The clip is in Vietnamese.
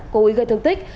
cố ý gây thương tích